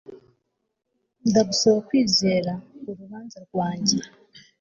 Ndagusaba kwizera urubanza rwanjye